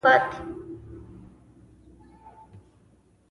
زه او استاد ور ورسېدو.